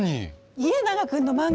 家長くんの漫画。